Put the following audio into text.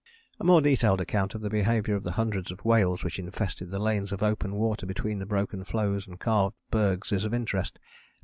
A more detailed account of the behaviour of the hundreds of whales which infested the lanes of open water between the broken floes and calved bergs is of interest.